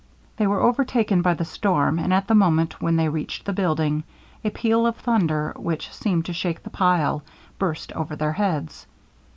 They were overtaken by the storm, and at the moment when they reached the building, a peal of thunder, which seemed to shake the pile, burst over their heads.